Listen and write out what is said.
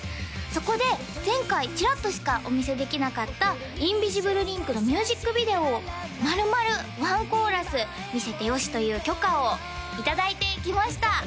そこで前回チラッとしかお見せできなかった「ＩｎｖｉｓｉｂｌｅＬｉｎｋ」のミュージックビデオをまるまる１コーラス見せてよしという許可を頂いてきました